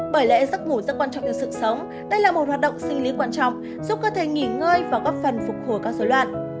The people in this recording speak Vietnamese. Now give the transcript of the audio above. bởi lẽ giấc ngủ rất quan trọng cho sự sống đây là một hoạt động sinh lý quan trọng giúp các thầy nghỉ ngơi và góp phần phục hồi các dối loạn